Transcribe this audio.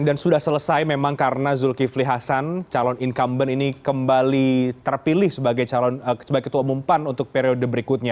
dan sudah selesai memang karena zulkifli hasan calon incumbent ini kembali terpilih sebagai ketua umum pan untuk periode berikutnya